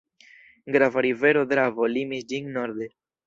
Grava rivero Dravo limis ĝin norde.